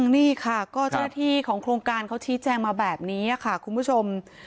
นี่ค่ะก็เจ้าหน้าที่ของโครงการเขาชี้แจงมาแบบนี้ค่ะคุณผู้ชม